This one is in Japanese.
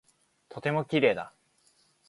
とても綺麗だ。